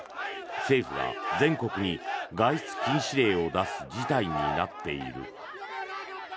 政府が全国に外出禁止令を出す事態になっている。